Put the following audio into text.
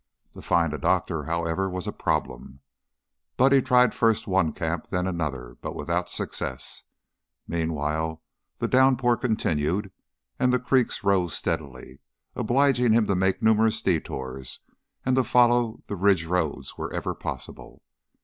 To find a doctor, however, was a problem. Buddy tried first one camp, then another, but without success. Meanwhile, the downpour continued and the creeks rose steadily, obliging him to make numerous detours and to follow the ridge roads wherever possible.